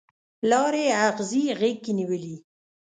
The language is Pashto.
لارې اغزي غیږ کې نیولي